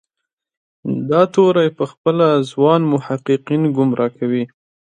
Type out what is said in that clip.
دا توری پخپله ځوان محققین ګمراه کوي.